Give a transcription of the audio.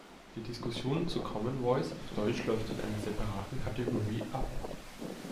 Die Diskussion zu Common Voice auf Deutsch läuft in einer separaten Kategorie ab.